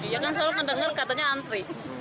dia kan selalu mendengar katanya antri